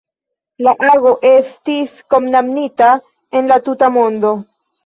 La ago estis kondamnita en la tuta mondo.